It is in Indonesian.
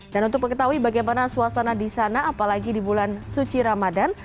dan untuk mengetahui bagaimana suasana di sana apalagi di bulan suci ramadan